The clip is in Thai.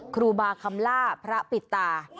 ครูบาคำล่าพระปิดตา